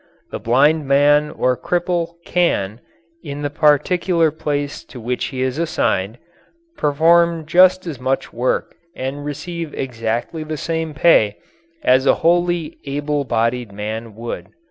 The blind man or cripple can, in the particular place to which he is assigned, perform just as much work and receive exactly the same pay as a wholly able bodied man would.